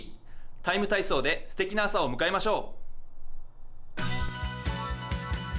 ＴＩＭＥ，体操で素敵な朝を迎えましょう。